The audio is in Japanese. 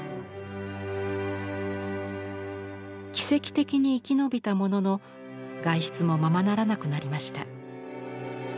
奇跡的に生き延びたものの外出もままならなくなりました。